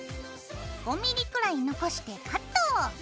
５ｍｍくらい残してカット！